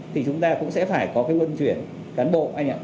thì chúng ta cũng sẽ phải có cái luân chuyển cán bộ